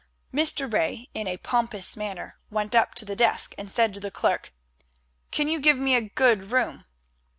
Mr. Ray, in a pompous manner, went up to the desk and said to the clerk: "Can you give me a good room?"